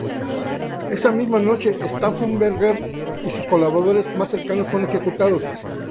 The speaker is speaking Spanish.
Esa misma noche Stauffenberg y sus colaboradores más cercanos son ejecutados.